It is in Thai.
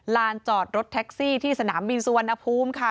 ลานจอดรถแท็กซี่ที่สนามบินสุวรรณภูมิค่ะ